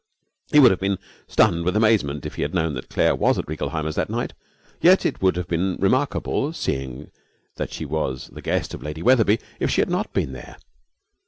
He would have been stunned with amazement if he had known that Claire was at Reigelheimer's that night. And yet it would have been remarkable, seeing that she was the guest of Lady Wetherby, if she had not been there.